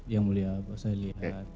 itu sudah hs bapak